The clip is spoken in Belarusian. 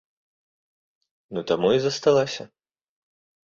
Ну таму і засталася.